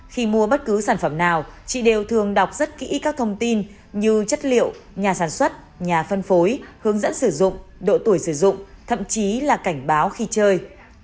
khi mua bất cứ sản phẩm nào chị đều thường đọc rất kỹ các thông tin như chất liệu nhà sản xuất nhà phân phối hướng dẫn sử dụng độ tuổi sử dụng thậm chí là cảnh báo khi chơi